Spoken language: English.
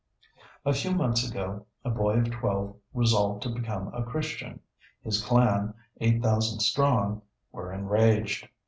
A few months ago a boy of twelve resolved to become a Christian. His clan, eight thousand strong, were enraged.